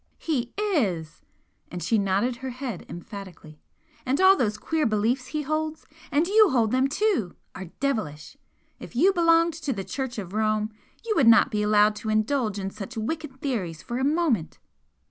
"He is!" And she nodded her head emphatically "And all those queer beliefs he holds and you hold them too! are devilish! If you belonged to the Church of Rome, you would not be allowed to indulge in such wicked theories for a moment."